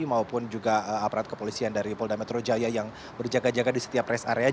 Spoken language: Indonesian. maupun juga aparat kepolisian dari polda metro jaya yang berjaga jaga di setiap rest area